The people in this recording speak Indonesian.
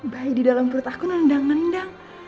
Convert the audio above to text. bayi di dalam perut aku nendang nendang